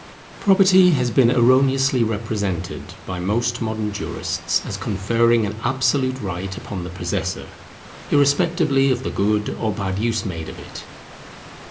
Property has been erroneously represented by most modern jurists as conferring an absolute right upon the possessor, irrespectively of the good or bad use made of it.